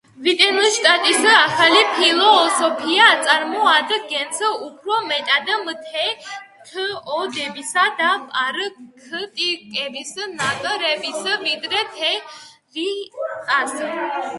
ვიტგენშტაინის ახალი ფილოსოფია წარმოადგენს უფრო მეტად მეთოდებისა და პრაქტიკების ნაკრებს, ვიდრე თეორიას.